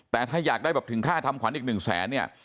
แต่ถ้าอยากได้แบบถึงค่าทำขวัญอีกหนึ่งแสนเนี่ย